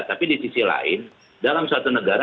tapi di sisi lain dalam suatu negara